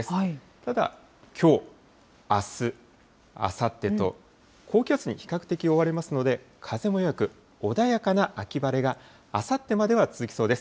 ただ、きょう、あす、あさってと、高気圧に比較的覆われますので、風も弱く、穏やかな秋晴れが、あさってまでは続きそうです。